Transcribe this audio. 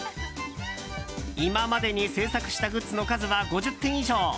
今までに制作したグッズの数は５０点以上。